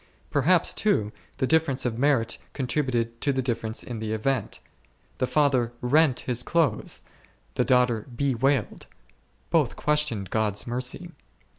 Per haps, too, the difference of merit contributed to the difference in the event. The father rent his clothes, the daughter bewailed, both questioned God's mercy.